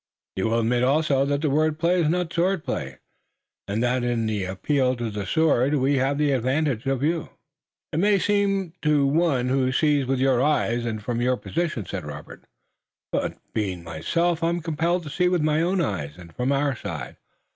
You will admit also that word play is not sword play, and that in the appeal to the sword we have the advantage of you." "It may seem so to one who sees with your eyes and from your position," said Robert, "but being myself I'm compelled to see with my own eyes and from our side.